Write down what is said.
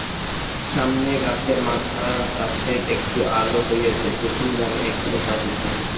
সামনে গাছের মাথার কাছে একটু আলো হইয়াছে কুসুম জানে এখানে চাঁদ উঠবে।